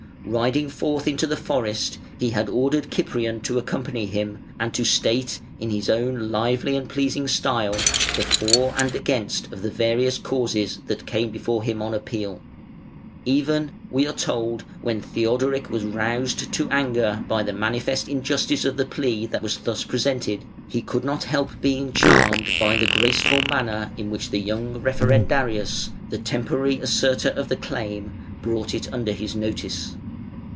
Riding forth into the forest he had ordered Cyprian to accompany him, and to state in his own lively and pleasing style the "for" and "against" of the various causes that came before him on appeal. Even, we are told, when Theodoric was roused to anger by the manifest injustice of the plea that was thus presented, he could not help being charmed by the graceful manner in which the young Referendarius, the temporary asserter of the claim, brought it under his notice.